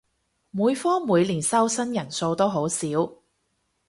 每科每年收生人數都好少